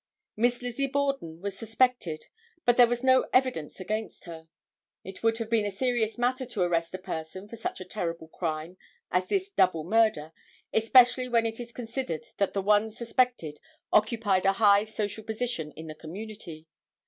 Miss Lizzie Borden was suspected but there was no evidence against her. It would have been a serious matter to arrest a person for such a terrible crime as this double murder, especially when it is considered that the one suspected occupied a high social position in the community.